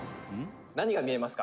「何が見えますか？」